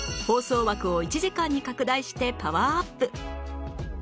放送枠を１時間に拡大してパワーアップ